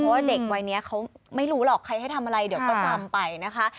เพราะว่าเด็กวัยนี้เขาไม่รู้หรอกใครให้ทำอะไรเดี๋ยวก็จำไปนะคะ